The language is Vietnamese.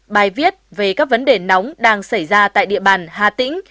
bài viết về các vấn đề nóng đang xảy ra tại địa bàn hà tĩnh